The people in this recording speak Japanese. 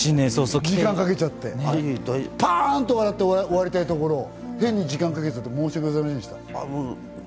時間かけちゃって、パンと笑って終わりたいところ、変に時間かけちゃって申し訳ありません。